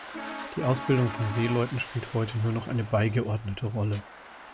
Die Ausbildung von Seeleuten spielt heute nur noch eine beigeordnete Rolle.